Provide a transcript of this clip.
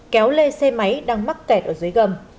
kéo lê xe máy đang mắc kẹt ở dưới gầm